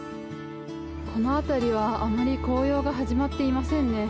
この辺りはあまり紅葉が始まっていませんね。